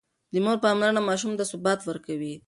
د مور پاملرنه ماشوم ته ثبات ورکوي.